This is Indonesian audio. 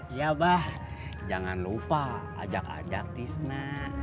iya bah jangan lupa ajak ajak tisna